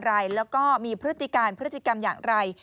อะไรแล้วก็มีพฤติการพฤติกรรมอย่างไร